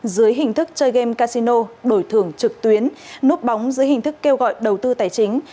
dưới hình thức chơi game casino đổi thưởng trực tuyến núp bóng dưới hình thức kêu gọi đầu tư tài chính